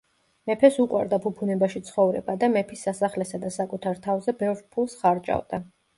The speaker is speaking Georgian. მეფეს უყვარდა ფუფუნებაში ცხოვრება და მეფის სასახლესა და საკუთარ თავზე ბევრ ფულს ხარჯავდა.